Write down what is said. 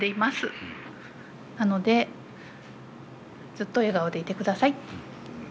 なのでずっと笑顔でいてください。